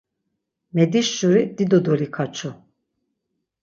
Mediş şuri dido dolikaçu.